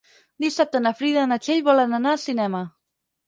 Dissabte na Frida i na Txell volen anar al cinema.